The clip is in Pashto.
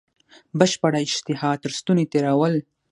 بشپړه اشتها تر ستوني تېرول.